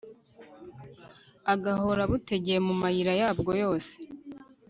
agahora abutegeye mu mayira yabwo yose